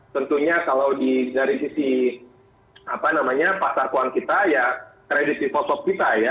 tentunya kalau dari sisi apa namanya pasar keuangan kita ya kredit di sosok kita ya